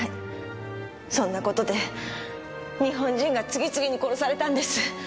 そんな事で日本人が次々に殺されたんです。